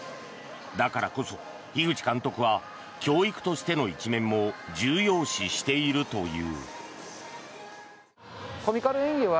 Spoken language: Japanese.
だからこそ、樋口監督は教育としての一面も重要視しているという。